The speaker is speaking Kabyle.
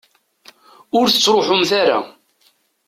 Ur tettruḥumt ara.